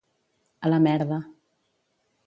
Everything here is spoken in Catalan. A la merda.